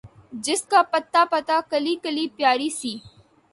جس کا پتا پتا، کلی کلی پیاری سی